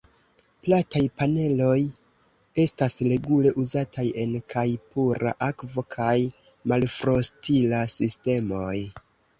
Plataj paneloj estas regule uzataj en kaj pura akvo kaj malfrostila sistemoj.